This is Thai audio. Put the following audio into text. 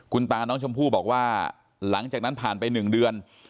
คุณตาน้องชมพู่บอกว่าหลังจากนั้นผ่านไป๑เดือน